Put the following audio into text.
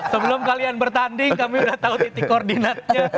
sebelum kalian bertanding kami udah tahu titik koordinatnya